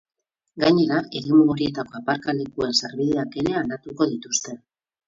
Gainera, eremu horietako aparkalekuen sarbideak ere aldatuko dituzte.